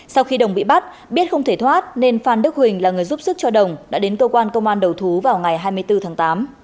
sau khi đồng bị bắt biết không thể thoát nên phan đức huỳnh là người giúp sức cho đồng đã đến cơ quan công an đầu thú vào ngày hai mươi bốn tháng tám